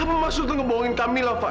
apa maksud lu ngebohongin kamilah fad